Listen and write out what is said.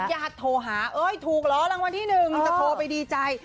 ยาดโทรหาถูกเหรอรางวัลที่๑จะโทรไปดีใจ